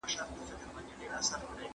هغه نعمتونه چي الله تعالی ده ته ورکړي وه.